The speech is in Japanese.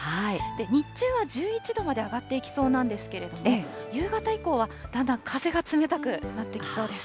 日中は１１度まで上がっていきそうなんですけれども、夕方以降はだんだん風が冷たくなってきそうです。